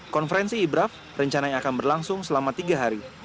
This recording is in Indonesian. konferensi ibraf rencananya akan berlangsung selama tiga hari